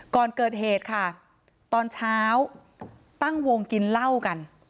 ก่อนเกิดเหตุค่ะตอนเช้าตั้งวงกินเหล้ากัน